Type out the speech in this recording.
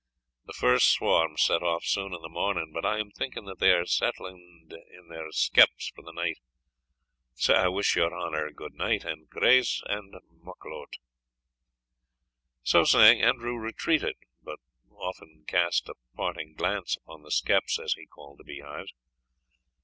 The first swarm set off sune in the morning. But I am thinking they are settled in their skeps for the night; sae I wuss your honour good night, and grace, and muckle o't." So saying, Andrew retreated, but often cast a parting glance upon the skeps, as he called the bee hives.